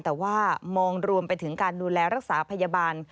แต่ว่ามองรวมไปถึงการดูแลรักษาพยาบาล